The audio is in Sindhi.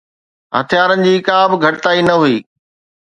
هٿيارن جي ڪا به گهٽتائي نه هئي.